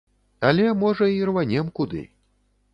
Але, можа, і рванем куды.